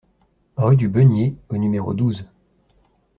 Rue du Beunier au numéro douze